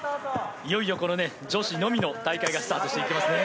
いよいよ女子のみの大会がスタートしていきますね。